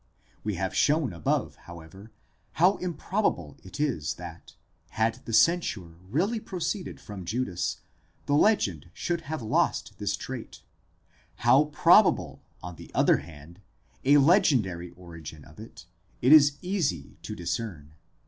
We have shown above, however, how improbable it is that, had that censure really proceeded from Judas, the legend should have lost this trait;4 how probable, on the other hand, a legendary origin of it, it is easy to discern.